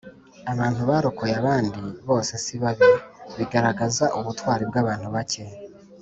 Abantu barokoye abandi bose si babi bigaragaza ubutwari bw abantu bake